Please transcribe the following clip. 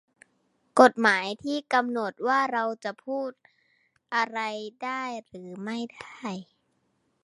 กฎหมายที่กำหนดว่าเราจะพูดอะไรได้หรือไม่ได้